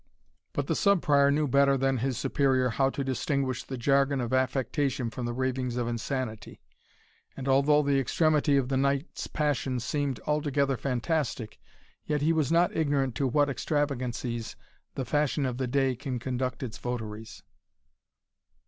But the Sub Prior knew better than his Superior how to distinguish the jargon of affectation from the ravings of insanity, and although the extremity of the knight's passion seemed altogether fantastic, yet he was not ignorant to what extravagancies the fashion of the day can conduct its votaries.